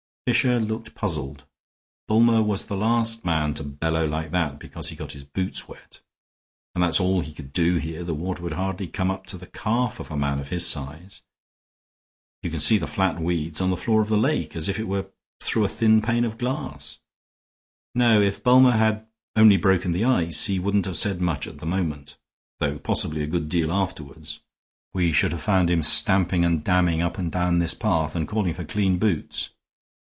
Fisher looked puzzled. "Bulmer was the last man to bellow like that because he got his boots wet. And that's all he could do here; the water would hardly come up to the calf of a man of his size. You can see the flat weeds on the floor of the lake, as if it were through a thin pane of glass. No, if Bulmer had only broken the ice he wouldn't have said much at the moment, though possibly a good deal afterward. We should have found him stamping and damning up and down this path, and calling for clean boots."